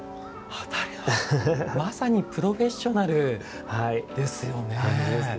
まさにプロフェッショナルですよね。